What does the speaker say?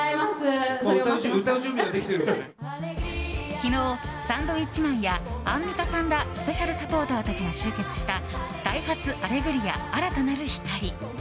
昨日、サンドウィッチマンやアンミカさんらスペシャルサポーターたちが集結した「ダイハツアレグリア‐新たなる光‐」。